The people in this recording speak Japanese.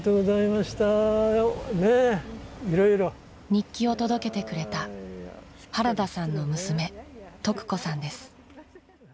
日記を届けてくれた原田さんの娘徳子さんです。